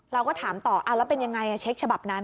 เราก็ถามต่อเอาแล้วเป็นยังไงเช็คฉบับนั้น